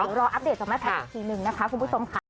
เดี๋ยวรออัปเดตของแม่พันธุ์อีกทีนึงนะคะคุณผู้ชมค่ะ